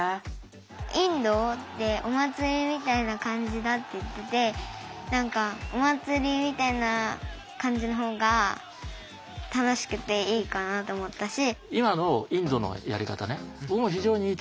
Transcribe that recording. インドってお祭りみたいな感じだって言ってて何かお祭りみたいな感じの方が楽しくていいかなと思ったし。